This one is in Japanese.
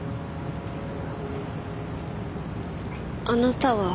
あなたは？